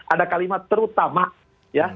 ada kalimat terutama ya